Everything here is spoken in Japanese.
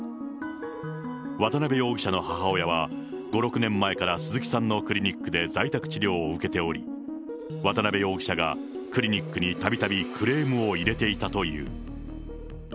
渡辺容疑者の母親は５、６年前から鈴木さんのクリニックで在宅治療を受けており、渡辺容疑者がクリニックにたびたびクレームを入れていたという。